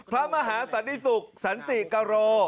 พระมหาสันติสุขสันติกโร